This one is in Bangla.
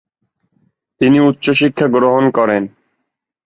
তিনি উচ্চ শিক্ষা গ্রহণ করেন।